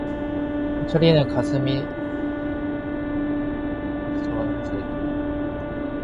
신철이는 가슴이 선뜻하며 가벼운 부끄러움이 눈가를 사르르 스쳐가는 것을 느꼈다.